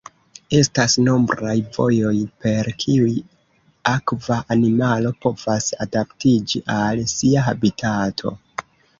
Estas nombraj vojoj per kiuj akva animalo povas adaptiĝi al sia habitato.